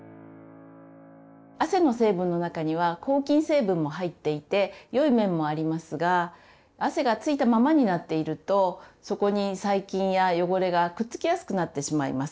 汗の成分の中には抗菌成分も入っていてよい面もありますが汗が付いたままになっているとそこに細菌や汚れがくっつきやすくなってしまいます。